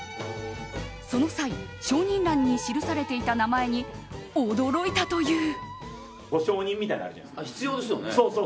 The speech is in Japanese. その際、証人欄に記されていた名前に驚いたという。